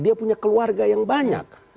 dia punya keluarga yang banyak